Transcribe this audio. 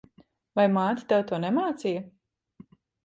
Vai māte tev to nemācīja?